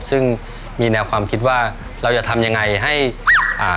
ซึ่งมีแนวความคิดว่าเราจะทำยังไงให้อ่า